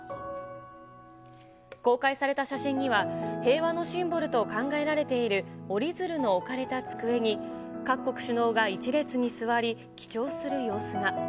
公開された写真には、平和のシンボルと考えられている折りづるの置かれた机に、各国首脳が一列に座り、記帳する様子が。